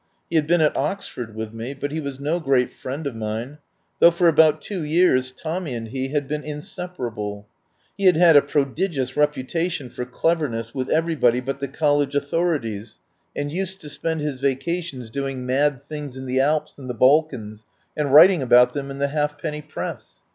He had been at Oxford with me, but he was no great friend of mine, though for about two years Tommy and he had been inseparable. He had had a prodigious reputation for clev erness with everybody but the college authori 17 THE POWER HOUSE ties, and used to spend his vacations doing mad things in the Alps and the Balkans and writ ing about them in the half penny press.